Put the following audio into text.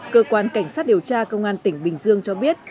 cơ quan cảnh sát điều tra công an tỉnh bình dương cho biết